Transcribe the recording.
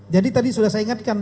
jadi tadi sudah saya ingatkan